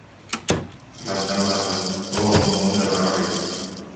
Бардам Баһылай: «Оо, муҥум да баар эбит